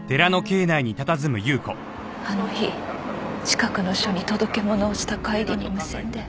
あの日近くの署に届け物をした帰りに無線で。